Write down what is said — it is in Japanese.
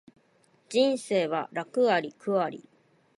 人生は楽あり苦あり